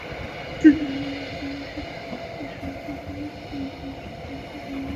কিন্তু দাবি আদায়ে শিক্ষার্থীদের সড়ক অবরোধ কিংবা ভাঙচুর কোনোভাবে গ্রহণযোগ্য নয়।